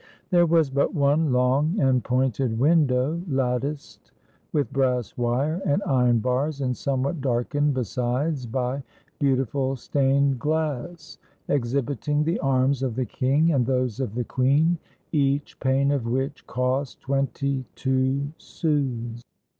There was but one long and pointed window, latticed with brass wire and iron bars, and somewhat darkened besides by beautiful stained glass, exhibiting the arms of the king and those of the queen, each pane of which cost twenty two sous.